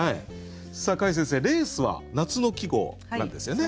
櫂先生「レース」は夏の季語なんですよね。